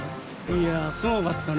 いやすごかったね。